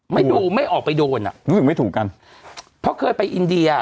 ไม่ดูไม่ออกไปโดนอ่ะรู้สึกไม่ถูกกันเพราะเคยไปอินเดีย